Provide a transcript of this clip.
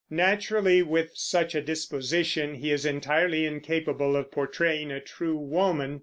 Naturally, with such a disposition, he is entirely incapable of portraying a true woman.